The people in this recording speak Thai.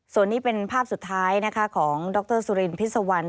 ส่วนนี้เป็นภาพสุดท้ายนะคะของดรสุรินพิษวรรณ